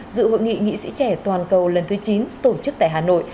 dự hội nghị nghị sĩ trẻ toàn cầu lần thứ chín tổ chức tại hà nội